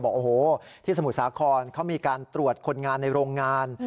บอกโอ้โหที่สมุทรสาครเขามีการตรวจคนงานในโรงงาน